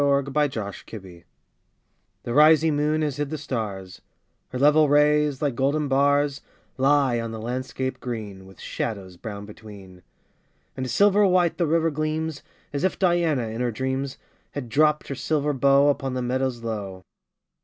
20 48 ENDMYION ENDYMION The rising moon has hid the stars ; Her level rays, like golden bars, Lie on the landscape green, With shadows brown between. 5 And silver white the river gleams, As if Diana, in her dreams, • Had dropt her silver bow Upon the meadows low.